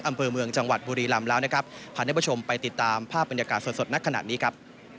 อำเภอเมืองจังหวัดบุรีรำแล้วนะครับพาท่านผู้ชมไปติดตามภาพบรรยากาศสดสดนักขนาดนี้ครับ